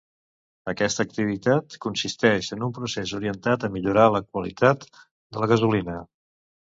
Aquesta activitat consisteix en un procés orientat a millorar la qualitat de la gasolina.